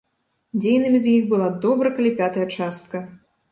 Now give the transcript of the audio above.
Дзейнымі з іх была добра калі пятая частка.